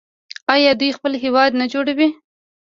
آیا دوی خپل هیواد نه جوړوي؟